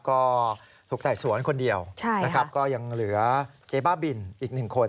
ก็ถูกไต่สวนคนเดียวนะครับก็ยังเหลือเจ๊บ้าบินอีก๑คน